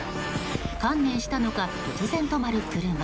観念したのか、突然止まる車。